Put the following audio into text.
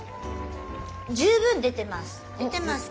十分出てます。